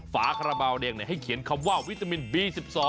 ฝาคาราบาลแดงให้เขียนคำว่าวิตามินบี๑๒